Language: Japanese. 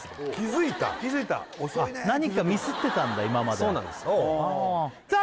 遅いね気づくの何かミスってたんだ今まではそうなんですさあ